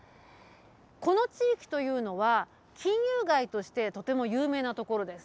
この地域というのは、金融街としてとても有名な所です。